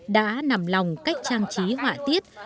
đã nằm lòng cách trang trí hoa tiết